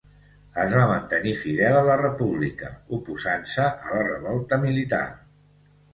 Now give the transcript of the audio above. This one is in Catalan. Es va mantenir fidel a la República, oposant-se a la revolta militar.